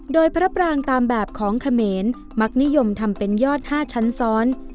โดยพระปรางตามแบบของเขมรมักนิยมทำเป็นยอด๕ชั้นซ้อน